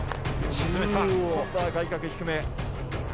沈めた、今度は外角低め。